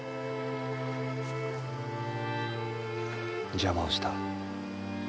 邪魔をした。